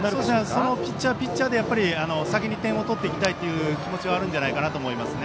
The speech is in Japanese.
そのピッチャーで先に点を取りたいという気持ちはあるんじゃないかと思います。